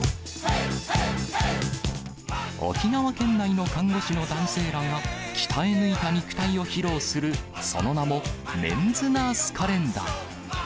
沖縄県内の看護師の男性らが、鍛え抜いた肉体を披露するその名も、メンズナースカレンダー。